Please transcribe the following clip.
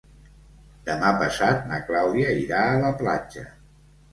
Demà passat na Clàudia irà a la platja.